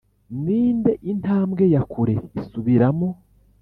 ninde intambwe ya kure isubiramo